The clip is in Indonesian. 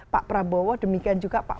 pak prabowo demikian juga pak